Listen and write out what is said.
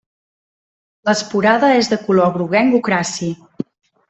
L'esporada és de color groguenc ocraci.